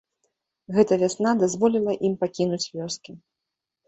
Гэта вясна дазволіла ім пакінуць вёскі.